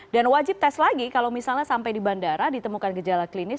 dan wajib tes lagi kalau misalnya sampai di bandara ditemukan gejala klinis